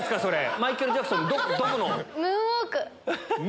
マイケル・ジャクソンのどこの？